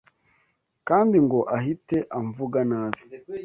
kandi ngo ahite amvuga nabi